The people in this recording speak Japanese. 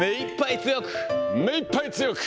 めいっぱい強く。